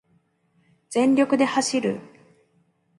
全力で走る